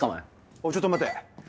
おいちょっと待て。